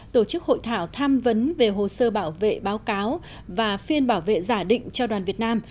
tổ chức hội thảo tham vấn về hồ sơ bảo vệ báo cáo và phiên bảo vệ giả định cho đoàn việt nam